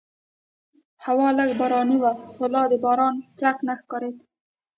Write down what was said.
هوا لږه باراني وه خو لا د باران څرک نه ښکارېده.